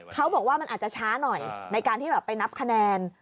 เขาบอกว่ามันอาจจะช้าหน่อยในการที่แบบไปนับคะแนน